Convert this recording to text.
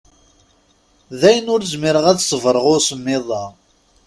Dayen ur zmireɣ ad ṣebreɣ i usemmiḍ-a.